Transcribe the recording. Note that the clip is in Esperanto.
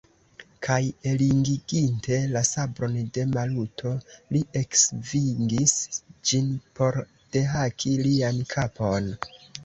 Kaj, elingiginte la sabron de Maluto, li eksvingis ĝin por dehaki lian kapon.